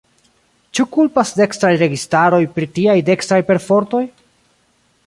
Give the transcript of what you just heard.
Ĉu kulpas dekstraj registaroj pri tiaj dekstraj perfortoj?